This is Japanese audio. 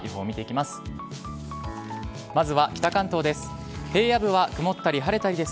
まずは北関東です。